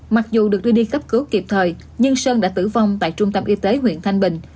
mặc dù được đưa đi cấp cứu kịp thời nhưng sơn đã tử vong tại trung tâm y tế huyện thanh bình